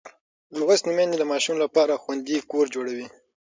لوستې میندې د ماشوم لپاره خوندي کور جوړوي.